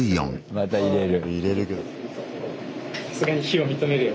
また入れる。